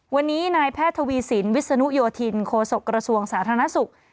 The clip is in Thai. วันนี้นายแพทย์ทวีสินวิศนุโยธินโคศกระทรวงสาธารณสุข